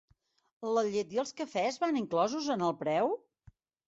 La llet i els cafès van inclosos en el preu?